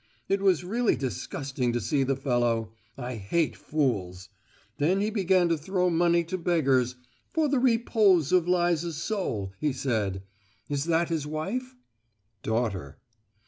It was really disgusting to see the fellow. I hate fools! Then he began to throw money to beggars 'for the repose of Liza's soul,' he said. Is that his wife?" "Daughter."